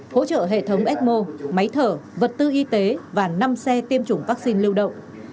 hỗ trợ hệ thống ecmo máy thở vật tư y tế và năm xe tiêm chủng vaccine lưu động